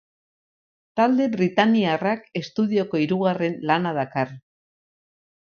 Talde britainiarrak estudioko hirugarren lana dakar.